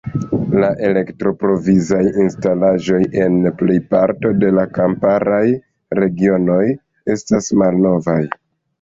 La elektroprovizaj instalaĵoj en plejparto de la kamparaj regionoj estas malnovaj.